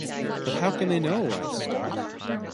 “But how can they know?” asked Scott.